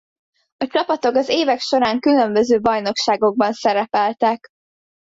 A csapatok az évek során különböző bajnokságokban szerepeltek.